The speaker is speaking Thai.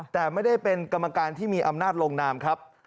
แต่ไม่ได้เป็นกรรมการที่มีอำนาจลงนามครับ